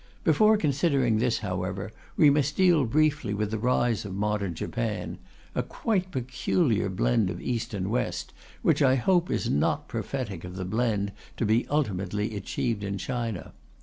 Before considering this, however, we must deal briefly with the rise of modern Japan a quite peculiar blend of East and West, which I hope is not prophetic of the blend to be ultimately achieved in China.